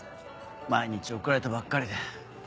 毎日怒られてばっかりで。